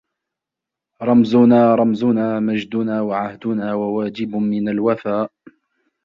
رَمْــــــزُنا رَمْــــــزُنا مَـجدُنا وعـهدُنا وواجـبٌ منَ الوَفا